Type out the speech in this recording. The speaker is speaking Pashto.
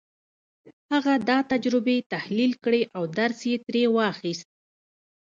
هغه دا تجربې تحليل کړې او درس يې ترې واخيست.